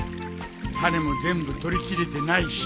種も全部取り切れてないし。